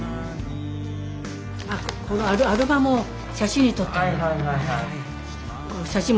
あこのアルバムを写真に撮ってくれた。